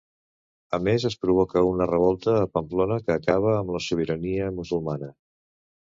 A més, es provoca una revolta a Pamplona que acaba amb la sobirania musulmana.